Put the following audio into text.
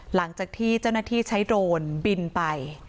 หลังจากที่เจ้าหน้าที่ใช้โดรนบินไป